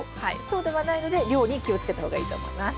そうではないので量に気をつけた方がいいと思います。